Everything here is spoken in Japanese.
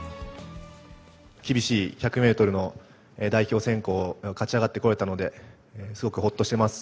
厳しい１００メートルの代表選考を勝ち上がってこれたので、すごくほっとしてます。